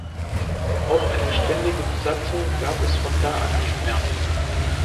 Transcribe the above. Auch eine ständige Besatzung gab es von da an nicht mehr.